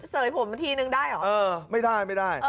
เสยผมทีนึงได้เหรอเออไม่ได้ไม่ได้